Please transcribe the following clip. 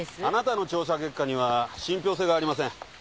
あなたの調査結果には信憑性がありません。